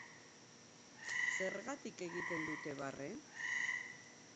Zergatik egiten dute barre?